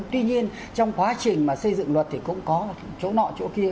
tuy nhiên trong quá trình mà xây dựng luật thì cũng có chỗ nọ chỗ kia